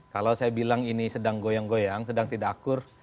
kalau saya bilang ini sedang goyang goyang sedang tidak akur